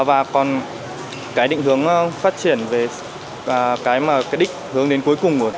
và còn cái định hướng phát triển về cái mà cái đích hướng đến cuối cùng